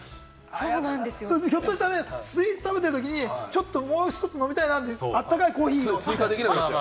ひょっとしたらスイーツ食べてるときに、もう１つ飲みたいなって、温かいコーヒーを追加できなくなっちゃう。